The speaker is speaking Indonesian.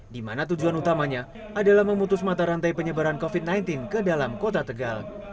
di mana tujuan utamanya adalah memutus mata rantai penyebaran covid sembilan belas ke dalam kota tegal